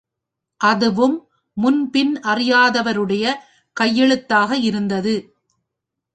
அதுவும் முன் பின் அறியாதவருடைய கையெழுத்தாக இருந்தது.